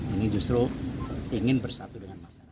ini justru ingin bersatu dengan masyarakat